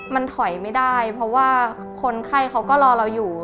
มันถอยไม่ได้เพราะว่าคนไข้เขาก็รอเราอยู่